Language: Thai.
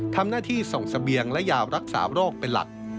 ทำหน้าที่ส่งเสบียงและยารักษาโรคเป็นหลัก